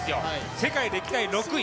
世界歴代６位。